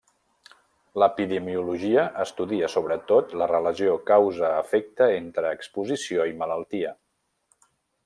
L'epidemiologia estudia, sobretot, la relació causa-efecte entre exposició i malaltia.